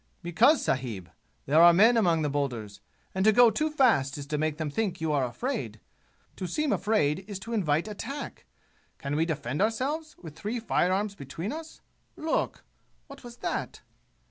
"Because, sahib, there are men among those boulders, and to go too fast is to make them think you are afraid! To seem afraid is to invite attack! Can we defend ourselves, with three firearms between us? Look! What was that?"